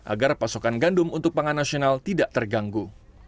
agar pasokan gandum untuk pangan nasional tidak terganggu